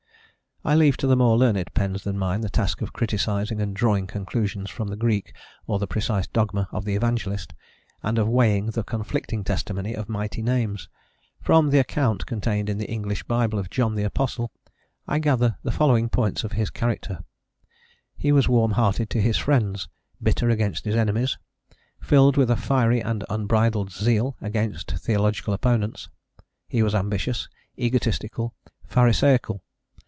I leave to more learned pens than mine the task of criticising and drawing conclusions from the Greek or the precise dogma of the evangelist, and of weighing the conflicting testimony of mighty names. From the account contained in the English Bible of John the Apostle, I gather the following points of his character: He was warm hearted to his friends, bitter against his enemies, filled with a fiery and unbridled zeal against theological opponents; he was ambitious, egotistical, pharisaical.